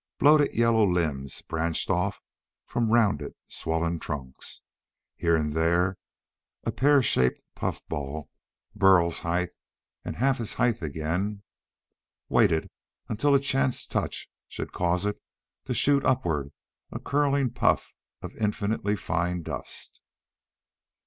Bloated yellow limbs branched off from rounded swollen trunks. Here and there a pear shaped puffball, Burl's height and half his height again, waited until a chance touch should cause it to shoot upward a curling puff of infinitely fine dust.